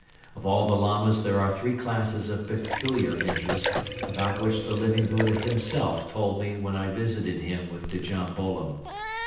Of all the Lamas there are three classes of peculiar interest, about which the Living Buddha himself told me when I visited him with Djam Bolon.